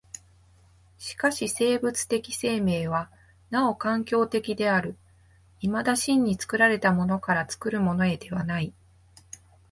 しかし生物的生命はなお環境的である、いまだ真に作られたものから作るものへではない。